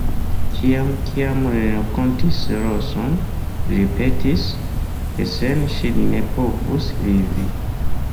Ĉiam, kiam li renkontis Roson, li ripetis, ke sen ŝi li ne povus vivi.